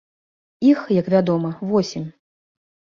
Іх, як вядома, восем.